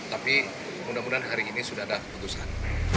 tapi mudah mudahan hari ini sudah ada keputusan